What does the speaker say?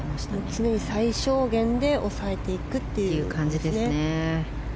常に最小限で抑えていくという感じですね。